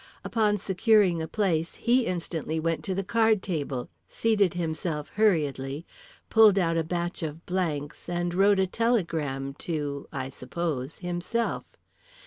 Upon securing a place he instantly went to the card table, seated himself hurriedly, pulled out a batch of blanks, and wrote a telegram to (I suppose) himself.